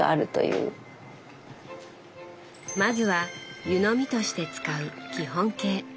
まずは湯飲みとして使う基本形。